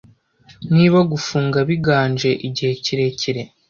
Niba gufunga biganje igihe kirekire